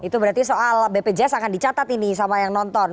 itu berarti soal bpjs akan dicatat ini sama yang nonton